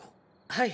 はい。